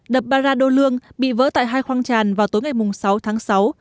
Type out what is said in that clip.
đập barado lương bị vỡ tại hai khoang tràn vào tối ngày sáu tháng sáu